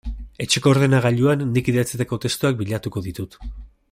Etxeko ordenagailuan nik idatzitako testuak bilatuko ditut.